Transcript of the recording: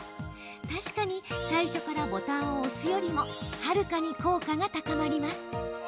確かに最初からボタンを押すよりもはるかに効果が高まります。